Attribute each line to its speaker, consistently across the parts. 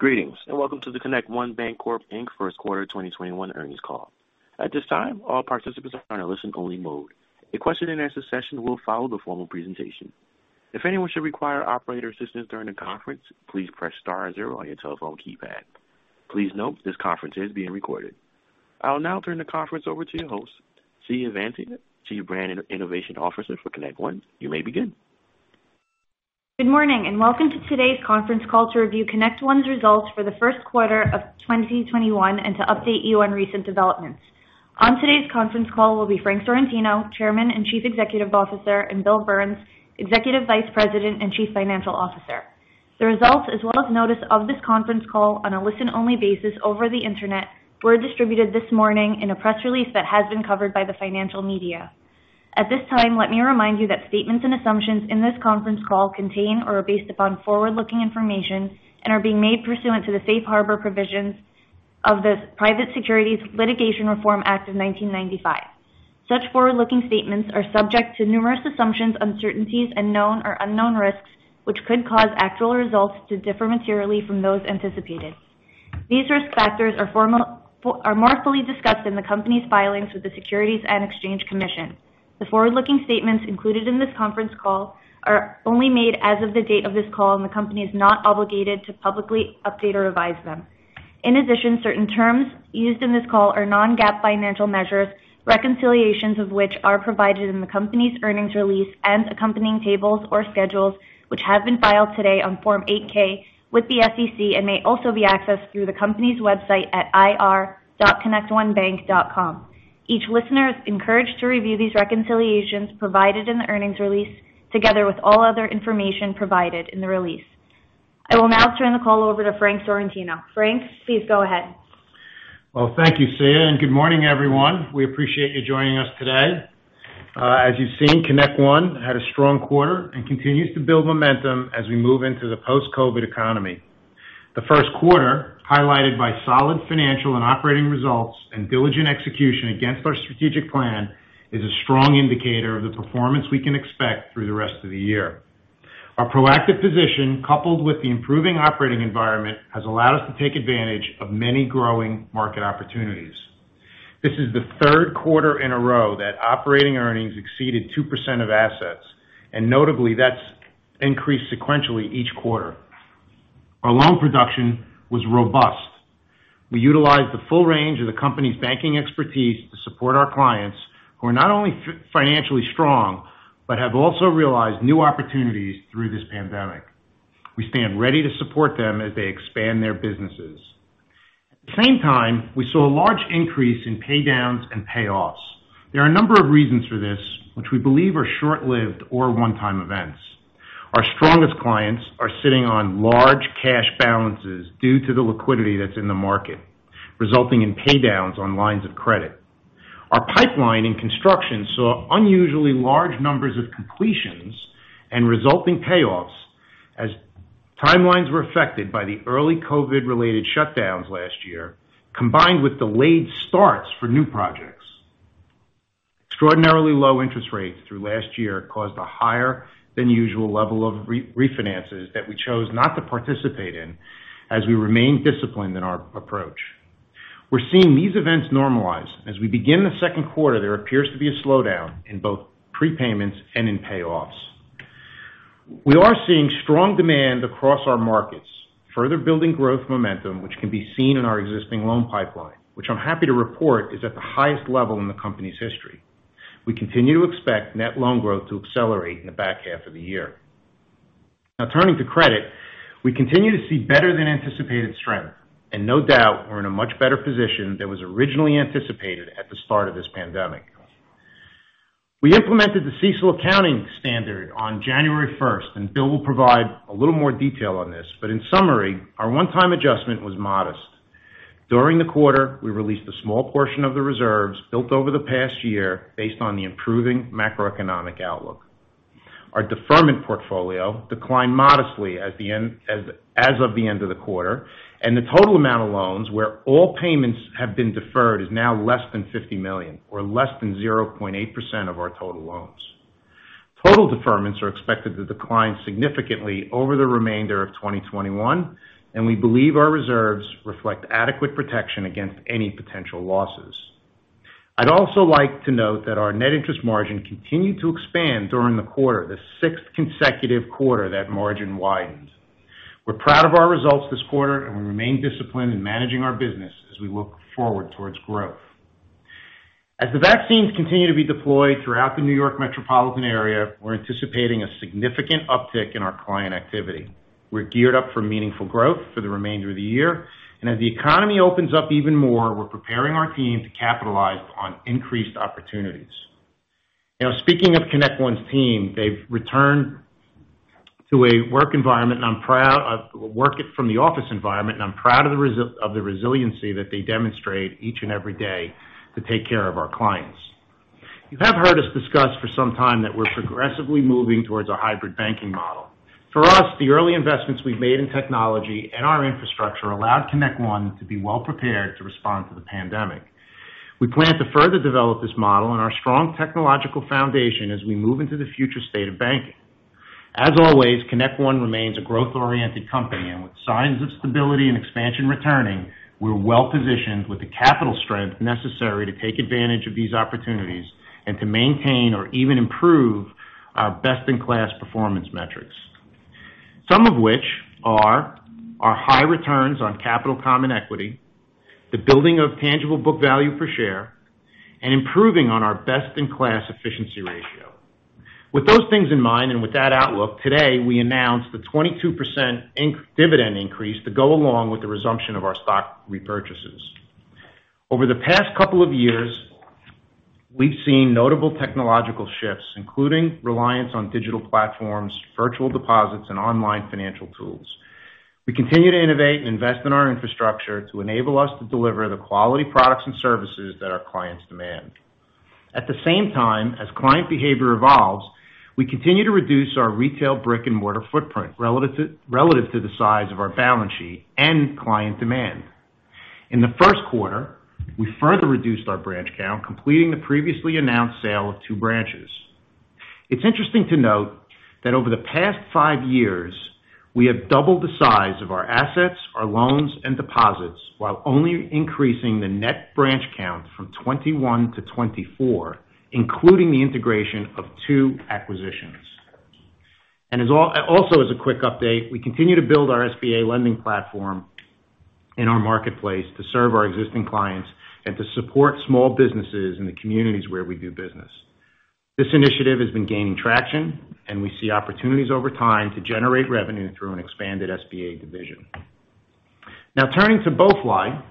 Speaker 1: Greetings, and welcome to the ConnectOne Bancorp, Inc. First Quarter 2021 Earnings Call. At this time all participants are on a listen-only mode. The question and answer session will follow the formal presentation. If anyone should require operator assistance during the conference, please press star zero on your telephone keypad. Please note this conference is being recorded. I'll now turn the conference over to your host, Siya Vansia, Chief Brand and Innovation Officer for ConnectOne. You may begin.
Speaker 2: Good morning, and welcome to today's conference call to review ConnectOne's Results For the First Quarter of 2021 and to update you on recent developments. On today's conference call will be Frank Sorrentino, Chairman and Chief Executive Officer, and Bill Burns, Executive Vice President and Chief Financial Officer. The results, as well as notice of this conference call on a listen-only basis over the internet, were distributed this morning in a press release that has been covered by the financial media. At this time, let me remind you that statements and assumptions in this conference call contain or are based upon forward-looking information and are being made pursuant to the safe harbor provisions of the Private Securities Litigation Reform Act of 1995. Such forward-looking statements are subject to numerous assumptions, uncertainties, and known or unknown risks, which could cause actual results to differ materially from those anticipated. These risk factors are more fully discussed in the company's filings with the Securities and Exchange Commission. The forward-looking statements included in this conference call are only made as of the date of this call, and the company is not obligated to publicly update or revise them. In addition, certain terms used in this call are non-GAAP financial measures, reconciliations of which are provided in the company's earnings release and accompanying tables or schedules, which have been filed today on Form 8-K with the SEC and may also be accessed through the company's website at ir.connectonebank.com. Each listener is encouraged to review these reconciliations provided in the earnings release together with all other information provided in the release. I will now turn the call over to Frank Sorrentino. Frank, please go ahead.
Speaker 3: Thank you, Siya, and good morning, everyone. We appreciate you joining us today. As you've seen, ConnectOne had a strong quarter and continues to build momentum as we move into the post-COVID economy. The first quarter, highlighted by solid financial and operating results and diligent execution against our strategic plan, is a strong indicator of the performance we can expect through the rest of the year. Our proactive position, coupled with the improving operating environment, has allowed us to take advantage of many growing market opportunities. This is the third quarter in a row that operating earnings exceeded 2% of assets, and notably, that's increased sequentially each quarter. Our loan production was robust. We utilized the full range of the company's banking expertise to support our clients, who are not only financially strong but have also realized new opportunities through this pandemic. We stand ready to support them as they expand their businesses. At the same time, we saw a large increase in paydowns and payoffs. There are a number of reasons for this, which we believe are short-lived or one-time events. Our strongest clients are sitting on large cash balances due to the liquidity that's in the market, resulting in paydowns on lines of credit. Our pipeline in construction saw unusually large numbers of completions and resulting payoffs as timelines were affected by the early COVID-related shutdowns last year, combined with delayed starts for new projects. Extraordinarily low interest rates through last year caused a higher than usual level of refinances that we chose not to participate in as we remain disciplined in our approach. We're seeing these events normalize. As we begin the second quarter, there appears to be a slowdown in both prepayments and in payoffs. We are seeing strong demand across our markets, further building growth momentum, which can be seen in our existing loan pipeline, which I'm happy to report is at the highest level in the company's history. We continue to expect net loan growth to accelerate in the back half of the year. Turning to credit, we continue to see better than anticipated strength, and no doubt we're in a much better position than was originally anticipated at the start of this pandemic. We implemented the CECL accounting standard on January 1st, and Bill will provide a little more detail on this. In summary, our one-time adjustment was modest. During the quarter, we released a small portion of the reserves built over the past year based on the improving macroeconomic outlook. Our deferment portfolio declined modestly as of the end of the quarter, and the total amount of loans where all payments have been deferred is now less than $50 million or less than 0.8% of our total loans. Total deferments are expected to decline significantly over the remainder of 2021, and we believe our reserves reflect adequate protection against any potential losses. I'd also like to note that our net interest margin continued to expand during the quarter, the 6th consecutive quarter that margin widened. We're proud of our results this quarter, and we remain disciplined in managing our business as we look forward towards growth. As the vaccines continue to be deployed throughout the New York metropolitan area, we're anticipating a significant uptick in our client activity. We're geared up for meaningful growth for the remainder of the year, and as the economy opens up even more, we're preparing our team to capitalize on increased opportunities. Now, speaking of ConnectOne's team, they've returned to a work environment, and I'm proud of the work from the office environment and the resiliency that they demonstrate each and every day to take care of our clients. You have heard us discuss for some time that we're progressively moving towards a hybrid banking model. For us, the early investments we've made in technology and our infrastructure allowed ConnectOne to be well prepared to respond to the pandemic. We plan to further develop this model and our strong technological foundation as we move into the future state of banking. As always, ConnectOne remains a growth-oriented company. With signs of stability and expansion returning, we're well-positioned with the capital strength necessary to take advantage of these opportunities and to maintain or even improve our best-in-class performance metrics. Some of which are our high returns on Capital Common Equity, the building of tangible book value per share, and improving on our best-in-class efficiency ratio. With those things in mind and with that outlook, today, we announce the 22% dividend increase to go along with the resumption of our stock repurchases. Over the past couple of years, we've seen notable technological shifts, including reliance on digital platforms, virtual deposits, and online financial tools. We continue to innovate and invest in our infrastructure to enable us to deliver the quality products and services that our clients demand. At the same time, as client behavior evolves, we continue to reduce our retail brick-and-mortar footprint relative to the size of our balance sheet and client demand. In the first quarter, we further reduced our branch count, completing the previously announced sale of two branches. It's interesting to note that over the past five years, we have doubled the size of our assets, our loans, and deposits while only increasing the net branch count from 21-24, including the integration of two acquisitions. Also as a quick update, we continue to build our SBA lending platform in our marketplace to serve our existing clients and to support small businesses in the communities where we do business. This initiative has been gaining traction, and we see opportunities over time to generate revenue through an expanded SBA division. Now turning to BoeFly,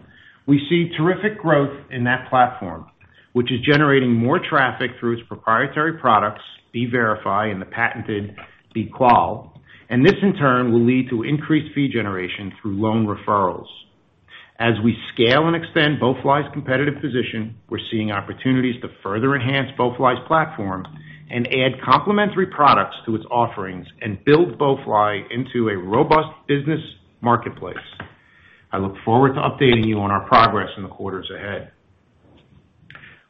Speaker 3: we see terrific growth in that platform, which is generating more traffic through its proprietary products, bVerify and the patented bQual, and this in turn will lead to increased fee generation through loan referrals. As we scale and extend BoeFly's competitive position, we're seeing opportunities to further enhance BoeFly's platform and add complementary products to its offerings and build BoeFly into a robust business marketplace. I look forward to updating you on our progress in the quarters ahead.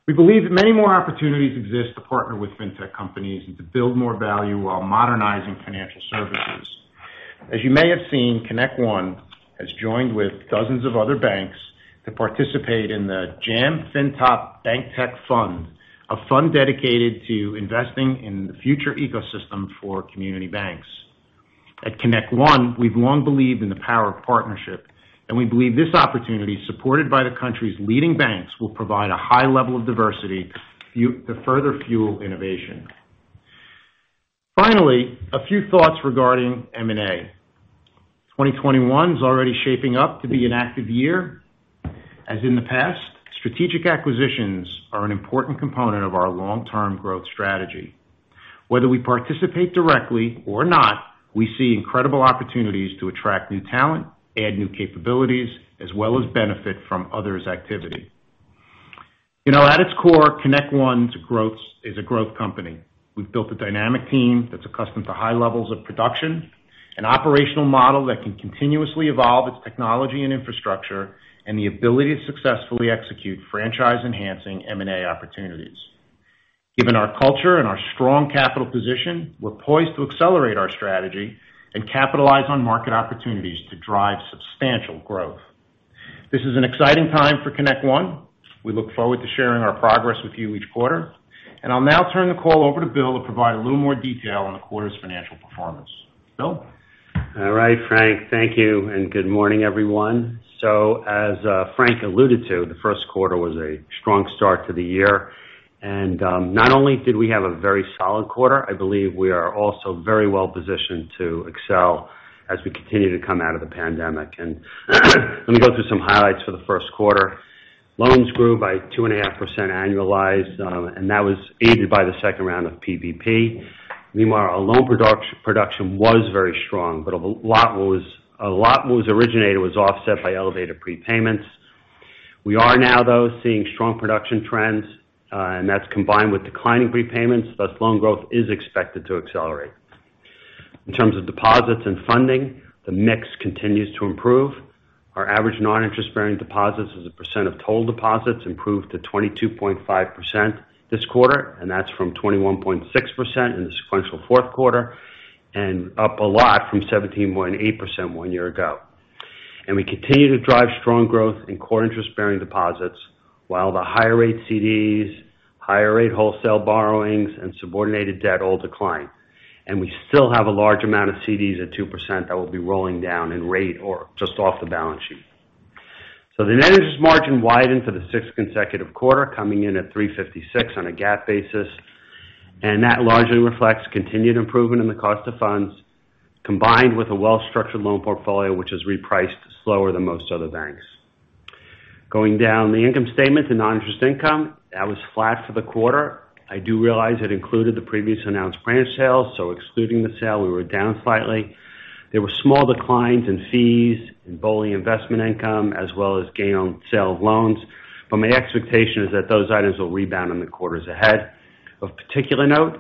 Speaker 3: We believe that many more opportunities exist to partner with fintech companies and to build more value while modernizing financial services. As you may have seen, ConnectOne has joined with dozens of other banks to participate in the JAM FINTOP Banktech Fund, a fund dedicated to investing in the future ecosystem for community banks. At ConnectOne, we've long believed in the power of partnership, and we believe this opportunity, supported by the country's leading banks, will provide a high level of diversity to further fuel innovation. Finally, a few thoughts regarding M&A. 2021 is already shaping up to be an active year. As in the past, strategic acquisitions are an important component of our long-term growth strategy. Whether we participate directly or not, we see incredible opportunities to attract new talent, add new capabilities, as well as benefit from others' activity. At its core, ConnectOne is a growth company. We've built a dynamic team that's accustomed to high levels of production, an operational model that can continuously evolve its technology and infrastructure, and the ability to successfully execute franchise-enhancing M&A opportunities. Given our culture and our strong capital position, we're poised to accelerate our strategy and capitalize on market opportunities to drive substantial growth. This is an exciting time for ConnectOne. We look forward to sharing our progress with you each quarter. I'll now turn the call over to Bill to provide a little more detail on the quarter's financial performance. Bill?
Speaker 4: All right, Frank. Thank you, and good morning, everyone. As Frank alluded to, the first quarter was a strong start to the year. Not only did we have a very solid quarter, I believe we are also very well-positioned to excel as we continue to come out of the pandemic. Let me go through some highlights for the first quarter. Loans grew by 2.5% annualized, and that was aided by the second round of PPP. Meanwhile, our loan production was very strong, but a lot was originated was offset by elevated prepayments. We are now, though, seeing strong production trends, and that's combined with declining prepayments, thus loan growth is expected to accelerate. In terms of deposits and funding, the mix continues to improve. Our average non-interest-bearing deposits as a percent of total deposits improved to 22.5% this quarter, that's from 21.6% in the sequential fourth quarter, and up a lot from 17.8% one year ago. We continue to drive strong growth in core interest-bearing deposits, while the higher rate CDs, higher rate wholesale borrowings, and subordinated debt all decline. We still have a large amount of CDs at 2% that will be rolling down in rate or just off the balance sheet. The net interest margin widened for the sixth consecutive quarter, coming in at 356 on a GAAP basis. That largely reflects continued improvement in the cost of funds, combined with a well-structured loan portfolio, which has repriced slower than most other banks. Going down the income statement to non-interest income, that was flat for the quarter. I do realize it included the previously announced branch sale. Excluding the sale, we were down slightly. There were small declines in fees and BoeFly investment income, as well as gain on sale of loans. My expectation is that those items will rebound in the quarters ahead. Of particular note,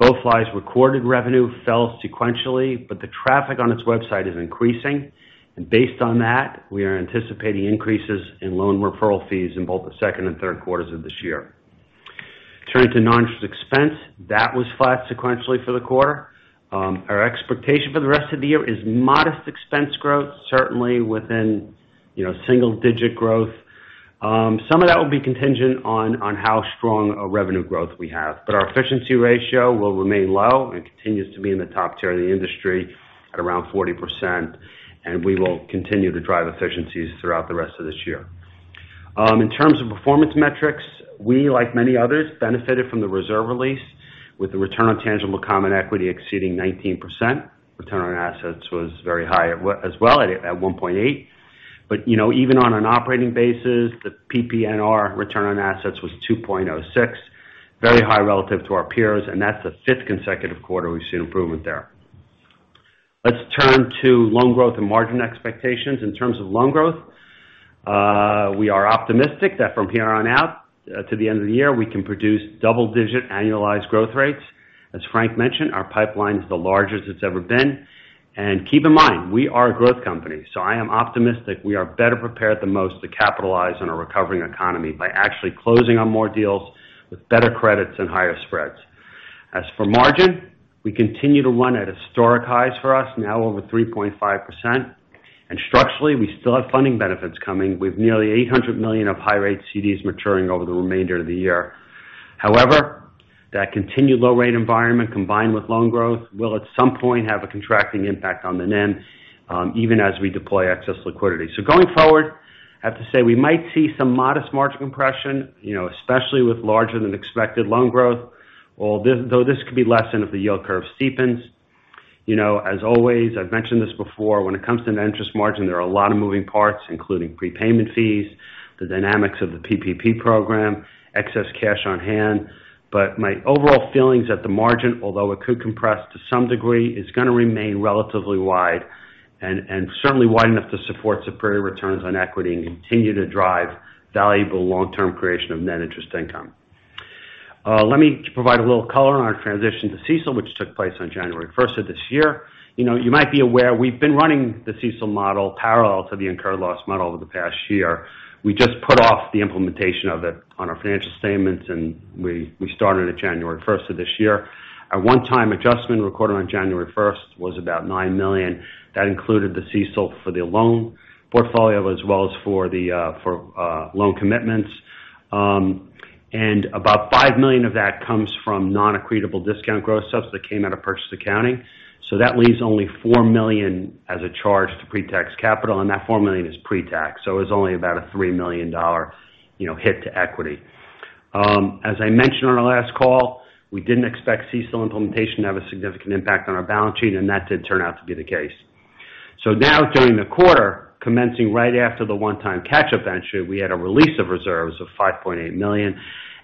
Speaker 4: BoeFly's recorded revenue fell sequentially, but the traffic on its website is increasing. Based on that, we are anticipating increases in loan referral fees in both the second and third quarters of this year. Turning to non-interest expense, that was flat sequentially for the quarter. Our expectation for the rest of the year is modest expense growth, certainly within single-digit growth. Some of that will be contingent on how strong a revenue growth we have. Our efficiency ratio will remain low and continues to be in the top tier of the industry at around 40%, and we will continue to drive efficiencies throughout the rest of this year. In terms of performance metrics, we, like many others, benefited from the reserve release with the return on tangible common equity exceeding 19%. Return on assets was very high as well at 1.8%. Even on an operating basis, the PPNR return on assets was 2.06%, very high relative to our peers, and that's the fifth consecutive quarter we've seen improvement there. Let's turn to loan growth and margin expectations. In terms of loan growth, we are optimistic that from here on out to the end of the year, we can produce double-digit annualized growth rates. As Frank mentioned, our pipeline's the largest it's ever been. Keep in mind, we are a growth company, so I am optimistic we are better prepared than most to capitalize on a recovering economy by actually closing on more deals with better credits and higher spreads. As for margin, we continue to run at historic highs for us, now over 3.5%. Structurally, we still have funding benefits coming with nearly $800 million of high-rate CDs maturing over the remainder of the year. However, that continued low rate environment combined with loan growth will at some point have a contracting impact on the NIM even as we deploy excess liquidity. Going forward, I have to say we might see some modest margin compression, especially with larger than expected loan growth. Although this could be lessened if the yield curve steepens. You know as always, I've mentioned this before, when it comes to net interest margin, there are a lot of moving parts, including prepayment fees, the dynamics of the PPP program, excess cash on hand. My overall feeling's that the margin although it could compress to some degree, is going to remain relatively wide and certainly wide enough to support superior returns on equity and continue to drive valuable long-term creation of net interest income. Let me provide a little color on our transition to CECL, which took place on January 1st of this year. You might be aware, we've been running the CECL model parallel to the incurred loss model over the past year. We just put off the implementation of it on our financial statements, and we started it January 1st of this year. Our one-time adjustment recorded on January 1st was about $9 million. That included the CECL for the loan portfolio as well as for loan commitments. About $5 million of that comes from non-accretable discount gross- ups that came out of purchase accounting. That leaves only $4 million as a charge to pre-tax capital, and that $4 million is pre-tax. It was only about a $3 million hit to equity. As I mentioned on our last call, we didn't expect CECL implementation to have a significant impact on our balance sheet, and that did turn out to be the case. Now during the quarter, commencing right after the one-time catch-up entry, we had a release of reserves of $5.8 million,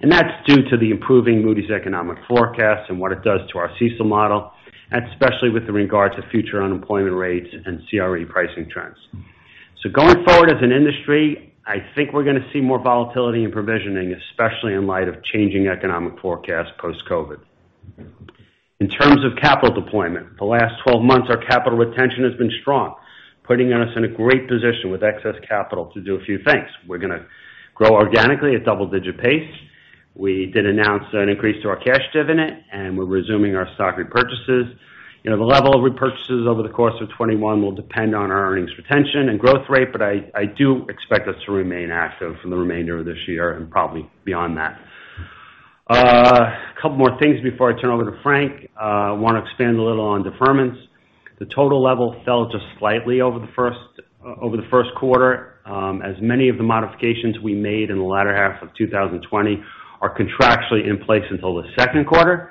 Speaker 4: and that's due to the improving Moody's economic forecast and what it does to our CECL model, especially with regard to future unemployment rates and CRE pricing trends. Going forward as an industry, I think we're going to see more volatility in provisioning, especially in light of changing economic forecasts post-COVID. In terms of capital deployment, the last 12 months, our capital retention has been strong, putting us in a great position with excess capital to do a few things. We're going to grow organically at double-digit pace. We did announce an increase to our cash dividend, and we're resuming our stock repurchases. The level of repurchases over the course of 2021 will depend on our earnings retention and growth rate, but I do expect us to remain active for the remainder of this year and probably beyond that. A couple more things before I turn over to Frank. I want to expand a little on deferments. The total level fell just slightly over the first quarter. As many of the modifications we made in the latter half of 2020 are contractually in place until the second quarter.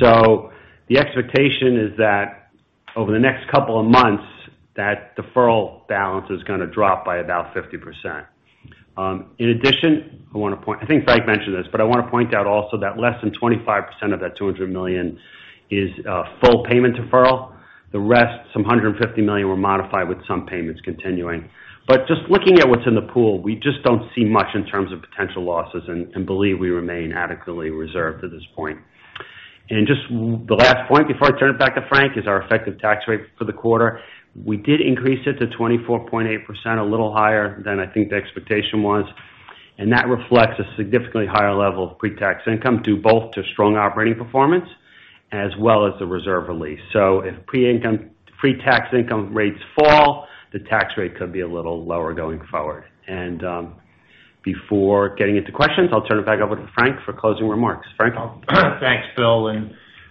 Speaker 4: The expectation is that over the next couple of months, that deferral balance is going to drop by about 50%. In addition, I think Frank mentioned this, but I want to point out also that less than 25% of that $200 million is full payment deferral. The rest, some $150 million, were modified with some payments continuing. Just looking at what's in the pool, we just don't see much in terms of potential losses and believe we remain adequately reserved at this point. Just the last point before I turn it back to Frank is our effective tax rate for the quarter. We did increase it to 24.8%, a little higher than I think the expectation was, and that reflects a significantly higher level of pre-tax income due both to strong operating performance as well as the reserve release. If pre-tax income rates fall, the tax rate could be a little lower going forward. Before getting into questions, I'll turn it back over to Frank for closing remarks. Frank?
Speaker 3: Thanks, Bill.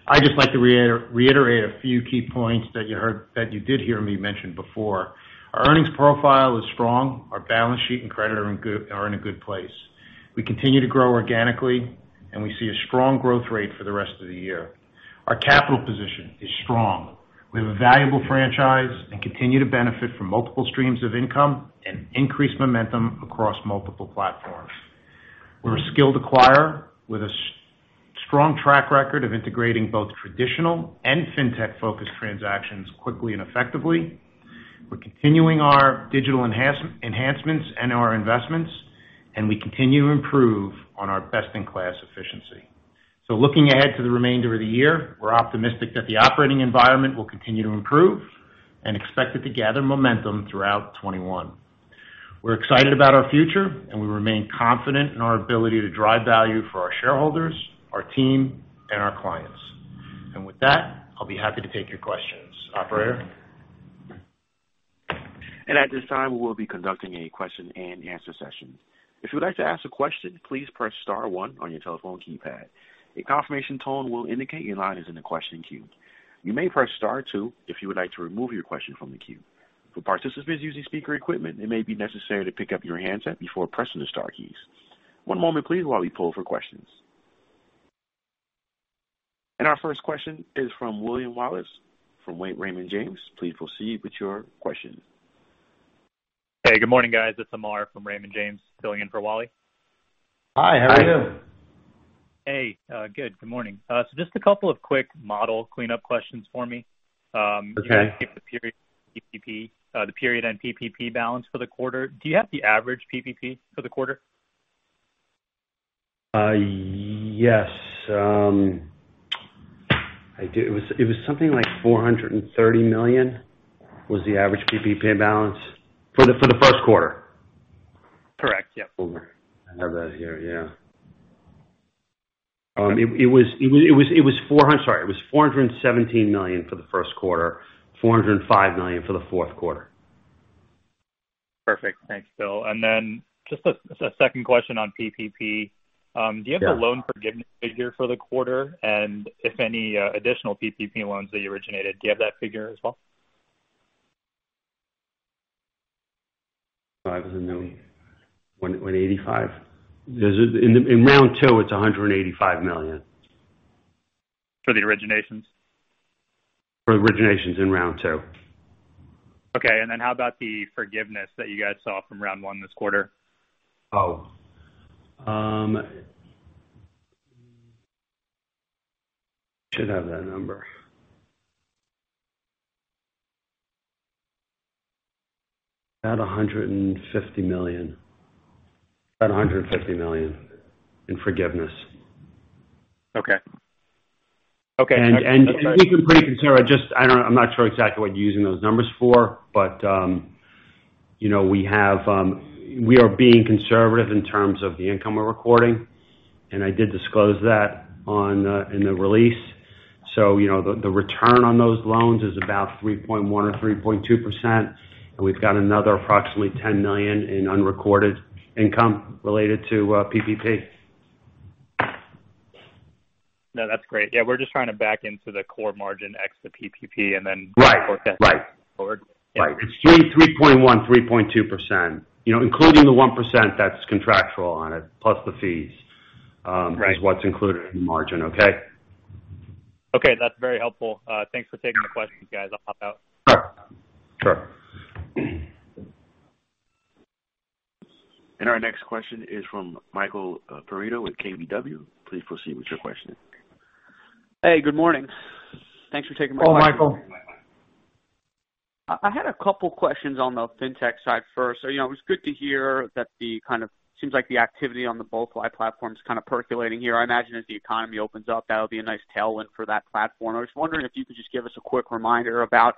Speaker 3: I'd just like to reiterate a few key points that you did hear me mention before. Our earnings profile is strong. Our balance sheet and credit are in a good place. We continue to grow organically, and we see a strong growth rate for the rest of the year. Our capital position is strong. We have a valuable franchise and continue to benefit from multiple streams of income and increased momentum across multiple platforms. We're a skilled acquirer with a strong track record of integrating both traditional and fintech-focused transactions quickly and effectively. We're continuing our digital enhancements and our investments, we continue to improve on our best-in-class efficiency. Looking ahead to the remainder of the year, we're optimistic that the operating environment will continue to improve and expect it to gather momentum throughout 2021. We're excited about our future, we remain confident in our ability to drive value for our shareholders, our team, and our clients. With that, I'll be happy to take your questions. Operator?
Speaker 1: And at this time, we will be conducting a question-and-answer session. If you would like to ask a question, please press star one on your telephone keypad. A confirmation tone will indicate your line is in the question queue. You may press star two if you would like to remove your question from the queue. For participants using speaker equipment, it may be necessary to pick up your handset before pressing the star keys. One moment please, while we poll for questions. Our first question is from William Wallace from Raymond James. Please proceed with your question.
Speaker 5: Hey, good morning, guys. It's Amar from Raymond James, filling in for Wally.
Speaker 4: Hi, how are you?
Speaker 5: Hey, good. Good morning. Just a couple of quick model cleanup questions for me.
Speaker 4: Okay.
Speaker 5: You guys gave the period PPP, the period end PPP balance for the quarter. Do you have the average PPP for the quarter?
Speaker 4: Yes. I do. It was something like $430 million was the average PPP balance.
Speaker 5: For the first quarter.
Speaker 4: Correct. Yep. Hold on. I have that here, yeah. Sorry. It was $417 million for the first quarter, $405 million for the fourth quarter.
Speaker 5: Perfect. Thanks, Bill. Then just a second question on PPP?Do you have the loan forgiveness figure for the quarter? If any additional PPP loans that you originated, do you have that figure as well?
Speaker 4: $500 million. $185 million. In round two, it's $185 million.
Speaker 5: For the originations?
Speaker 4: For originations in round two.
Speaker 5: Okay. How about the forgiveness that you guys saw from round one this quarter?
Speaker 4: Oh. Should have that number. About $150 million in forgiveness.
Speaker 5: Okay.
Speaker 4: I'm not sure exactly what you're using those numbers for, but we are being conservative in terms of the income we're recording, and I did disclose that in the release. The return on those loans is about 3.1% or 3.2%. We've got another approximately $10 million in unrecorded income related to PPP.
Speaker 5: No, that's great. Yeah, we're just trying to back into the core margin ex the PPP.
Speaker 4: Right.
Speaker 5: Forecast forward.
Speaker 4: Right. It's 3.1%, 3.2%. Including the 1% that's contractual on it, plus the fees-
Speaker 5: Right
Speaker 4: Is what's included in the margin, okay?
Speaker 5: Okay, that's very helpful. Thanks for taking the questions, guys. I'll hop out.
Speaker 4: Sure.
Speaker 1: Our next question is from Michael Perito with KBW. Please proceed with your question.
Speaker 6: Hey, good morning. Thanks for taking my call.
Speaker 3: Hello, Michael.
Speaker 6: I had a couple questions on the fintech side first. It was good to hear that seems like the activity on the BoeFly platform is kind of percolating here. I imagine as the economy opens up, that'll be a nice tailwind for that platform. I was wondering if you could just give us a quick reminder about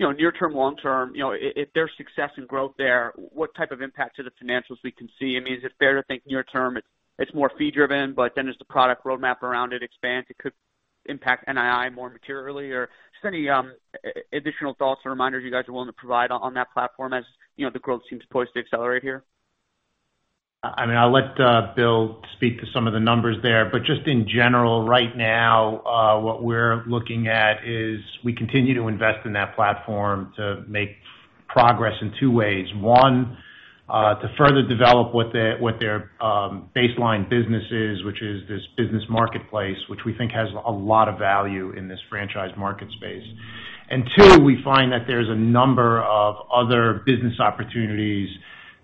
Speaker 6: near-term, long-term. If there's success and growth there, what type of impact to the financials we can see? I mean, is it fair to think near-term, it's more fee-driven, but then as the product roadmap around it expands, it could impact NII more materially? Just any additional thoughts or reminders you guys are willing to provide on that platform as the growth seems poised to accelerate here?
Speaker 3: I'll let Bill speak to some of the numbers there. Just in general right now, what we're looking at is we continue to invest in that platform to make progress in two ways. One, to further develop what their baseline business is, which is this business marketplace, which we think has a lot of value in this franchise market space. Two, we find that there's a number of other business opportunities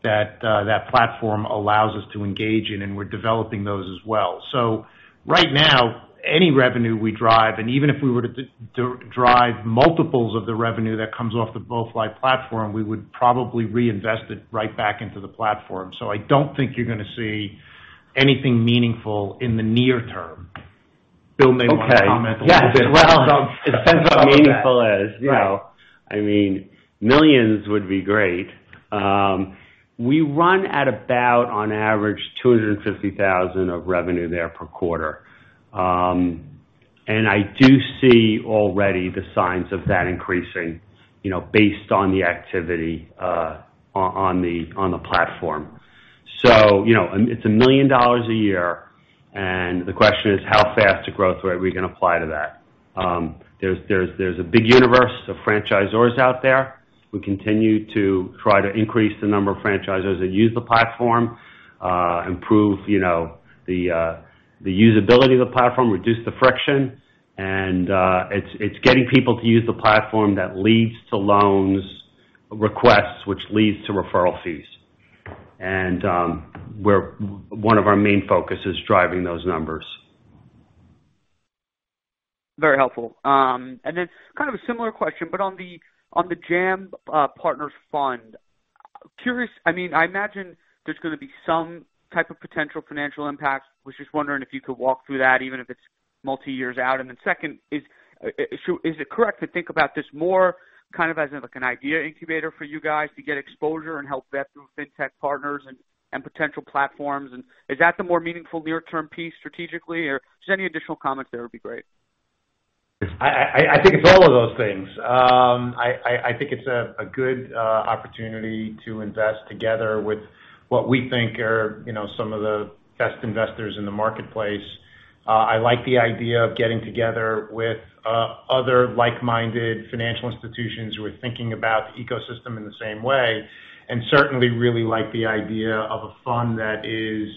Speaker 3: that that platform allows us to engage in, and we're developing those as well. Right now, any revenue we drive, and even if we were to drive multiples of the revenue that comes off the BoeFly platform, we would probably reinvest it right back into the platform. I don't think you're going to see anything meaningful in the near term. Bill may want to comment a little bit.
Speaker 4: Yes. Well, it depends what meaningful is. I mean, millions would be great. We run at about, on average, $250,000 of revenue there per quarter. I do see already the signs of that increasing based on the activity on the platform. So it's $1 million a year, and the question is how fast a growth rate are we going to apply to that? There's a big universe of franchisors out there. We continue to try to increase the number of franchisors that use the platform, improve the usability of the platform, reduce the friction. It's getting people to use the platform that leads to loan requests, which leads to referral fees. One of our main focus is driving those numbers
Speaker 6: Very helpful. Kind of a similar question, but on the JAM Partners Fund. I imagine there's going to be some type of potential financial impact. Was just wondering if you could walk through that, even if it's multi-years out. Second is it correct to think about this more kind of as like an idea incubator for you guys to get exposure and help vet through fintech partners and potential platforms? Is that the more meaningful near term piece strategically, or just any additional comments there would be great.
Speaker 3: I think it's all of those things. I think it's a good opportunity to invest together with what we think are some of the best investors in the marketplace. I like the idea of getting together with other like-minded financial institutions who are thinking about the ecosystem in the same way, and certainly really like the idea of a fund that is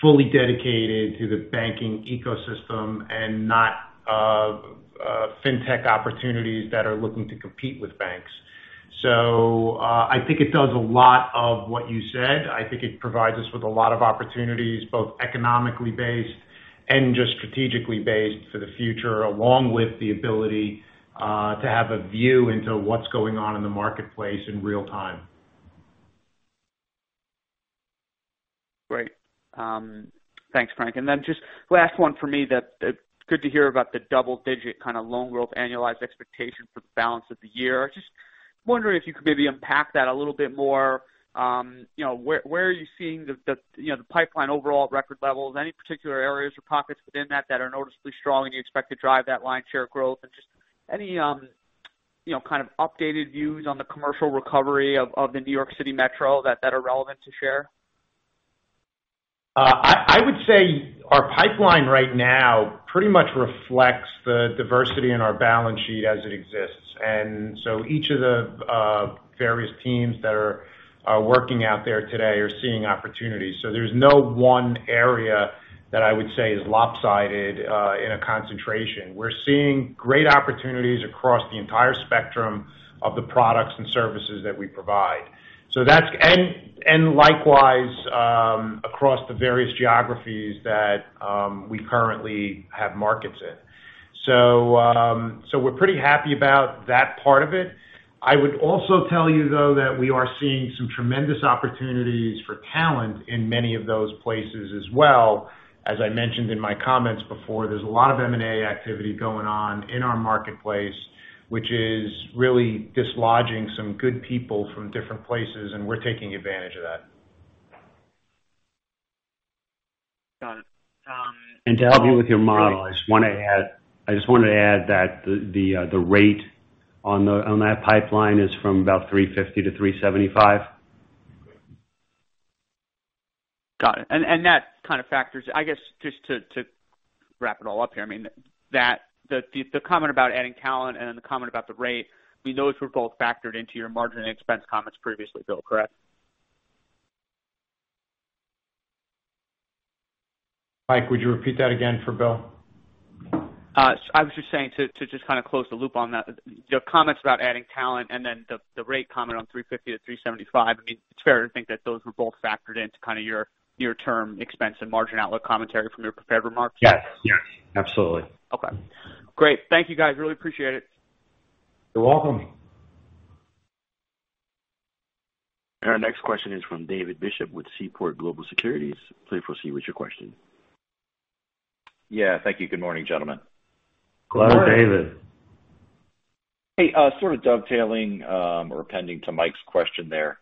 Speaker 3: fully dedicated to the banking ecosystem and not fintech opportunities that are looking to compete with banks. I think it does a lot of what you said. I think it provides us with a lot of opportunities, both economically based and just strategically based for the future, along with the ability to have a view into what's going on in the marketplace in real time.
Speaker 6: Great. Thanks, Frank. Just last one for me. It's good to hear about the double-digit kind of loan growth annualized expectation for the balance of the year. I was just wondering if you could maybe unpack that a little bit more. Where are you seeing the pipeline overall at record levels, any particular areas or pockets within that that are noticeably strong and you expect to drive that loan share growth and just any kind of updated views on the commercial recovery of the New York City metro that are relevant to share?
Speaker 3: I would say our pipeline right now pretty much reflects the diversity in our balance sheet as it exists. Each of the various teams that are working out there today are seeing opportunities. There's no one area that I would say is lopsided in a concentration. We're seeing great opportunities across the entire spectrum of the products and services that we provide. And likewise, across the various geographies that we currently have markets in. We're pretty happy about that part of it. I would also tell you though that we are seeing some tremendous opportunities for talent in many of those places as well. As I mentioned in my comments before, there's a lot of M&A activity going on in our marketplace, which is really dislodging some good people from different places, and we're taking advantage of that.
Speaker 6: Got it.
Speaker 4: To help you with your model, I just wanted to add that the rate on that pipeline is from about 350-375 basis points.
Speaker 6: Got it. That kind of factors, I guess, just to wrap it all up here, the comment about adding talent and then the comment about the rate, those were both factored into your margin and expense comments previously, Bill, correct?
Speaker 3: Mike, would you repeat that again for Bill?
Speaker 6: I was just saying to just kind of close the loop on that. Your comments about adding talent and then the rate comment on 350-375 basis points, it's fair to think that those were both factored into kind of your near term expense and margin outlook commentary from your prepared remarks?
Speaker 4: Yes. Absolutely.
Speaker 6: Okay, great. Thank you guys. Really appreciate it.
Speaker 3: You're welcome.
Speaker 1: Our next question is from David Bishop with Seaport Global Securities. Please proceed with your question.
Speaker 7: Yeah. Thank you. Good morning, gentlemen.
Speaker 3: Good morning.
Speaker 4: Hello, David.
Speaker 7: Hey, sort of dovetailing or appending to Mike's question there.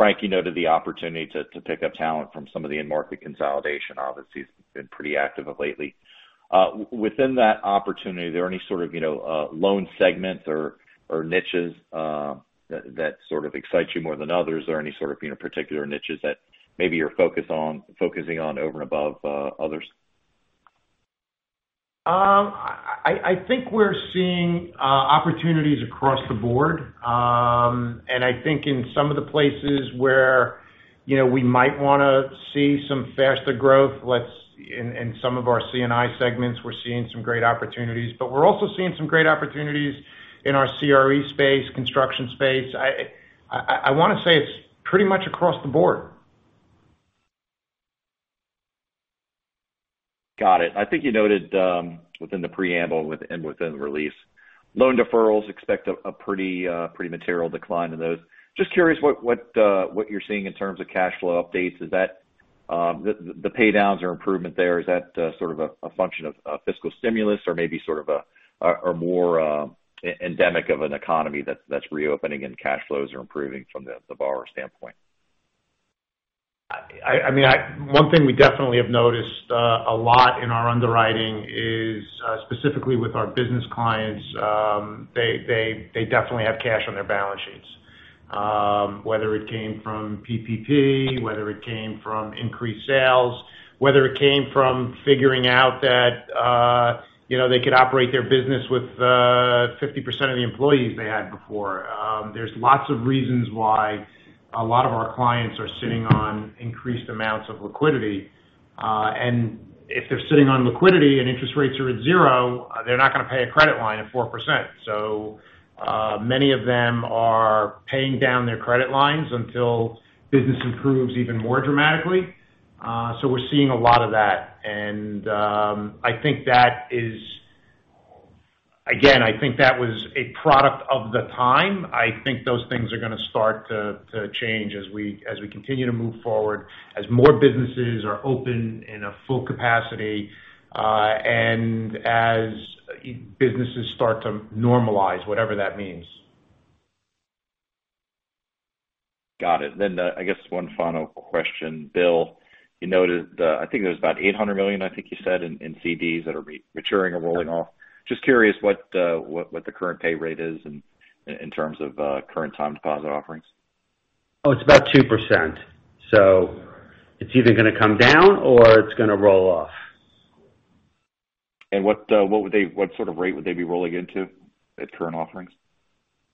Speaker 7: Frank, you noted the opportunity to pick up talent from some of the in-market consolidation. Obviously, you've been pretty active lately. Within that opportunity, are there any sort of loan segments or niches that sort of excite you more than others, or any sort of particular niches that maybe you're focusing on over and above others?
Speaker 3: I think we're seeing opportunities across the board. I think in some of the places where we might want to see some faster growth, in some of our C&I segments, we're seeing some great opportunities. We're also seeing some great opportunities in our CRE space, construction space. I want to say it's pretty much across the board.
Speaker 7: Got it. I think you noted within the preamble and within the release. Loan deferrals expect a pretty material decline in those. Just curious what you're seeing in terms of cash flow updates. Is that the paydowns or improvement there, is that sort of a function of fiscal stimulus or maybe sort of are more endemic of an economy that's reopening and cash flows are improving from the borrower standpoint?
Speaker 3: One thing we definitely have noticed a lot in our underwriting is specifically with our business clients. They definitely have cash on their balance sheets. Whether it came from PPP, whether it came from increased sales, whether it came from figuring out that they could operate their business with 50% of the employees they had before. There's lots of reasons why a lot of our clients are sitting on increased amounts of liquidity. And if they're sitting on liquidity and interest rates are at zero, they're not going to pay a credit line at 4%. Many of them are paying down their credit lines until business improves even more dramatically. We're seeing a lot of that. Again, I think that was a product of the time. I think those things are going to start to change as we continue to move forward, as more businesses are open in a full capacity, and as businesses start to normalize, whatever that means.
Speaker 7: Got it. I guess one final question. Bill, you noted, I think it was about $800 million, I think you said, in CDs that are maturing or rolling off. Just curious what the current pay rate is in terms of current time deposit offerings.
Speaker 4: Oh, it's about 2%. It's either going to come down or it's going to roll off.
Speaker 7: What sort of rate would they be rolling into at current offerings?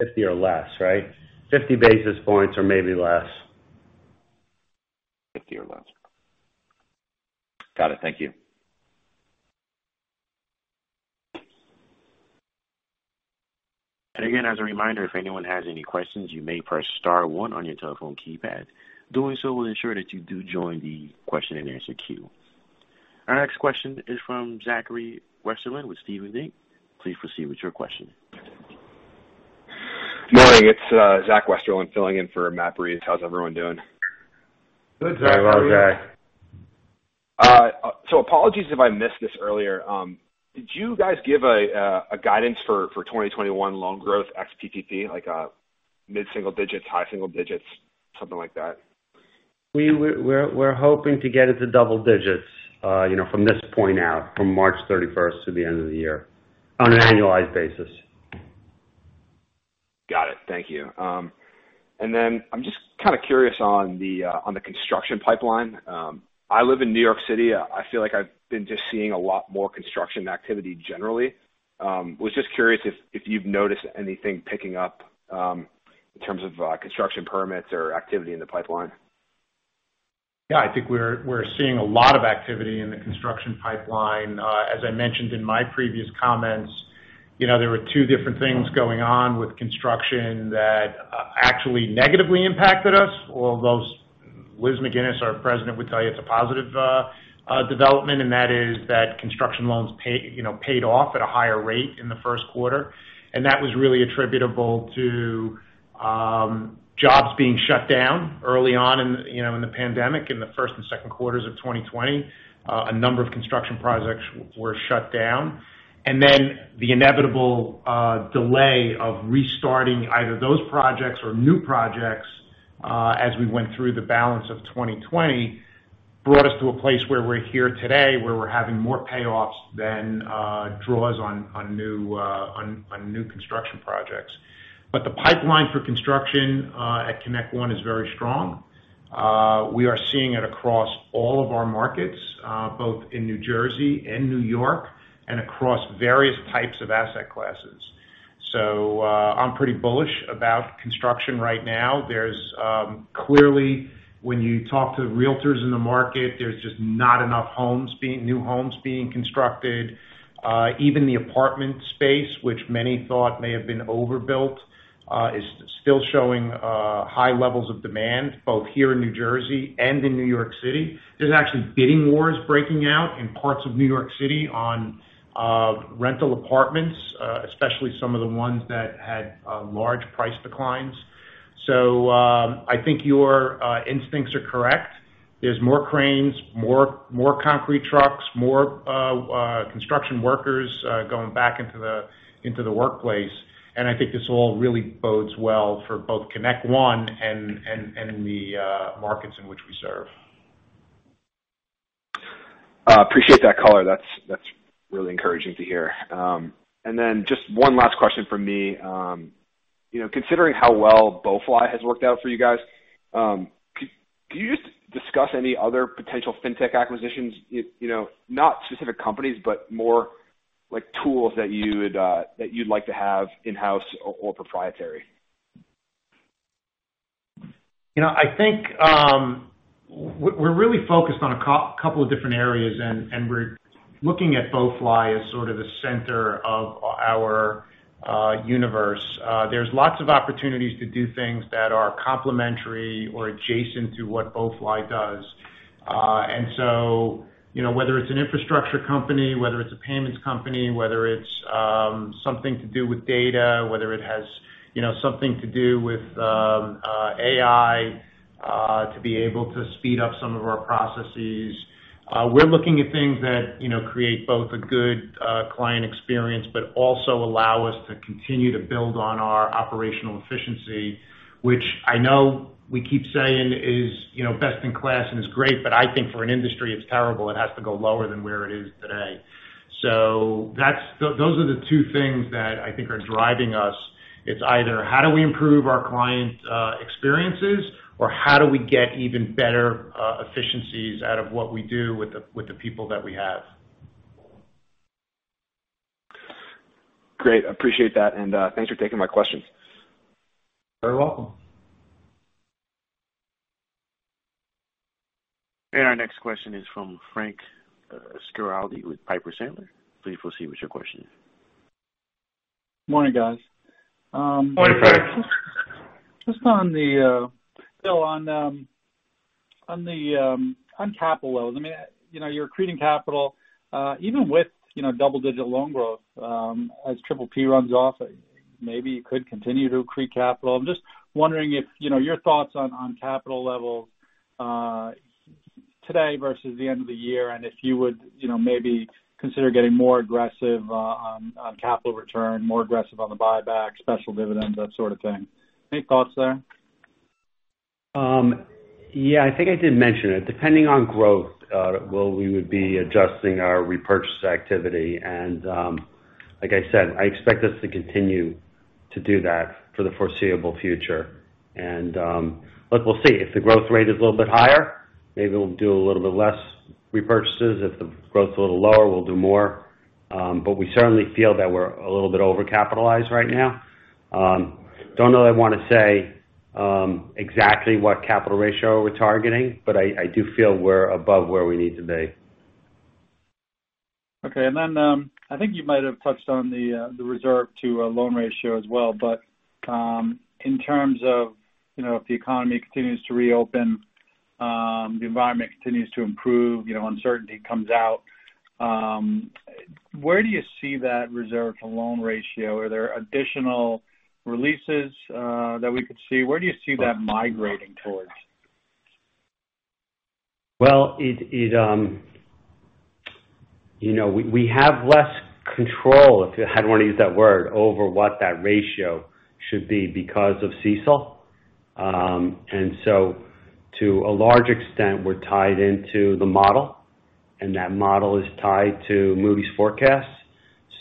Speaker 4: 50 basis points or less, right? 50 basis points or maybe less.
Speaker 7: 50 basis points or less. Got it. Thank you.
Speaker 1: Again, as a reminder, if anyone has any questions, you may press star one on your telephone keypad. Doing so will ensure that you do join the question and answer queue. Our next question is from Zachary Westerlind with Stephens Inc. Please proceed with your question.
Speaker 8: Morning. It's Zach Westerlind filling in for Matt Breese. How's everyone doing?
Speaker 4: Good, Zach. How are you?
Speaker 3: Hi, Zach.
Speaker 8: Apologies if I missed this earlier. Did you guys give a guidance for 2021 loan growth ex PPP, like a mid-single digits, high single digits, something like that?
Speaker 4: We're hoping to get into double digits from this point out, from March 31st to the end of the year on an annualized basis.
Speaker 8: Got it. Thank you. I'm just kind of curious on the construction pipeline. I live in New York City. I feel like I've been just seeing a lot more construction activity generally. Was just curious if you've noticed anything picking up in terms of construction permits or activity in the pipeline.
Speaker 3: Yeah, I think we're seeing a lot of activity in the construction pipeline. As I mentioned in my previous comments, there were two different things going on with construction that actually negatively impacted us. Although Elizabeth Magennis, our President, would tell you it's a positive development, and that is that construction loans paid off at a higher rate in the first quarter. That was really attributable to jobs being shut down early on in the pandemic in the first and second quarters of 2020. A number of construction projects were shut down. Then the inevitable delay of restarting either those projects or new projects as we went through the balance of 2020 brought us to a place where we're here today, where we're having more payoffs than draws on new construction projects. The pipeline for construction at ConnectOne is very strong. We are seeing it across all of our markets, both in New Jersey and New York, and across various types of asset classes. I'm pretty bullish about construction right now. Clearly, when you talk to realtors in the market, there's just not enough new homes being constructed. Even the apartment space, which many thought may have been overbuilt is still showing high levels of demand both here in New Jersey and in New York City. There's actually bidding wars breaking out in parts of New York City on rental apartments, especially some of the ones that had large price declines. I think your instincts are correct. There's more cranes, more concrete trucks, more construction workers going back into the workplace. I think this all really bodes well for both ConnectOne and the markets in which we serve.
Speaker 8: Appreciate that color. That's really encouraging to hear. Then just one last question from me. Considering how well BoeFly has worked out for you guys, could you just discuss any other potential fintech acquisitions? Not specific companies, but more like tools that you'd like to have in-house or proprietary.
Speaker 3: I think we're really focused on a couple of different areas. We're looking at BoeFly as sort of the center of our universe. There's lots of opportunities to do things that are complementary or adjacent to what BoeFly does. Whether it's an infrastructure company, whether it's a payments company, whether it's something to do with data, whether it has something to do with AI to be able to speed up some of our processes. We're looking at things that create both a good client experience but also allow us to continue to build on our operational efficiency. Which I know we keep saying is best in class and is great, but I think for an industry, it's terrible. It has to go lower than where it is today. Those are the two things that I think are driving us. It's either how do we improve our client experiences or how do we get even better efficiencies out of what we do with the people that we have.
Speaker 8: Great. Appreciate that, and thanks for taking my questions.
Speaker 3: You're welcome.
Speaker 1: Our next question is from Frank Schiraldi with Piper Sandler. Please proceed with your question.
Speaker 9: Morning, guys.
Speaker 4: Morning, Frank.
Speaker 9: Just on the capital levels. You're accreting capital, even with double-digit loan growth. As PPP runs off, maybe you could continue to accrete capital. I'm just wondering your thoughts on capital levels today versus the end of the year, and if you would maybe consider getting more aggressive on capital return, more aggressive on the buyback, special dividends, that sort of thing. Any thoughts there?
Speaker 4: Yeah. I think I did mention it. Depending on growth, we would be adjusting our repurchase activity. Like I said, I expect us to continue to do that for the foreseeable future. We'll see. If the growth rate is a little bit higher, maybe we'll do a little bit less repurchases. If the growth's a little lower, we'll do more. We certainly feel that we're a little bit overcapitalized right now. Don't really want to say exactly what capital ratio we're targeting, but I do feel we're above where we need to be.
Speaker 9: Okay. Then I think you might have touched on the reserve to loan ratio as well, but in terms of if the economy continues to reopen, the environment continues to improve, uncertainty comes out, where do you see that reserve to loan ratio? Are there additional releases that we could see? Where do you see that migrating towards?
Speaker 4: We have less control, I don't want to use that word, over what that ratio should be because of CECL. To a large extent, we're tied into the model, and that model is tied to Moody's forecasts.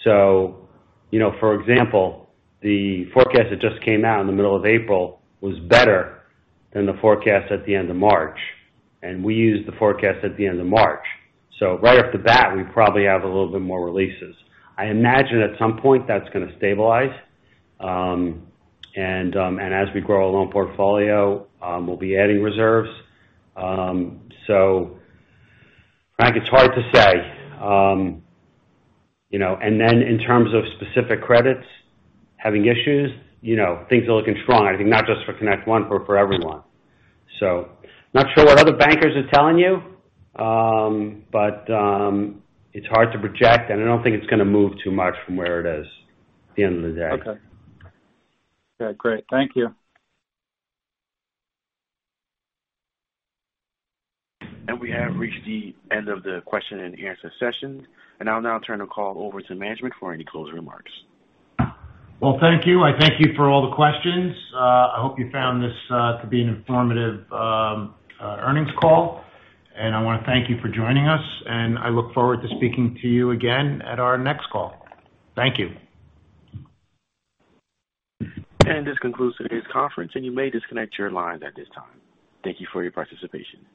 Speaker 4: For example, the forecast that just came out in the middle of April was better than the forecast at the end of March, and we used the forecast at the end of March. Right off the bat, we probably have a little bit more releases. I imagine at some point that's going to stabilize. As we grow our loan portfolio, we'll be adding reserves. Frank, it's hard to say. In terms of specific credits having issues, things are looking strong, I think not just for ConnectOne, but for everyone. I'm not sure what other bankers are telling you. It's hard to project, and I don't think it's going to move too much from where it is at the end of the day.
Speaker 9: Okay. Yeah, great. Thank you.
Speaker 1: We have reached the end of the question and answer session, and I'll now turn the call over to management for any closing remarks.
Speaker 3: Well, thank you. I thank you for all the questions. I hope you found this to be an informative earnings call. I want to thank you for joining us, and I look forward to speaking to you again at our next call. Thank you.
Speaker 1: And this concludes today's conference, and you may disconnect your lines at this time. Thank you for your participation.